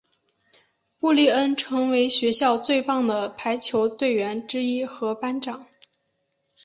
布丽恩成为学校最棒的排球队员之一和班长。